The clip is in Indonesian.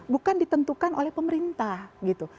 bukan ditentukan oleh pemerintah gitu